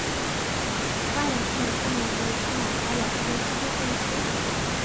وَاعْلَمْ أَنَّ الأُمَّةَ لَوِ اجْتَمَعَتْ عَلَى أَنْ يَنْفَعُوكَ بِشَيْءٍ